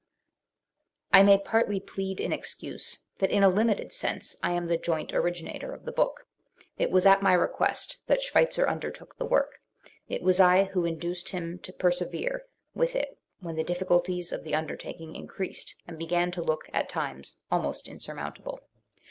I may partly plead in excuse that in a limited sense I am the joint originator of the book. It was at my request that Schweitzer undertook the work; it was I who induced him to persevere with it when the difficulties of the under taking increased and began to look, at times, almost in surmountable.